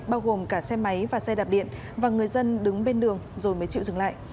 bao gồm cả xe máy và xe đạp điện và người dân đứng bên đường rồi mới chịu dừng lại